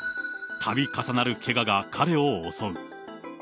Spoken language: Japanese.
たび重なるけがが彼を襲う。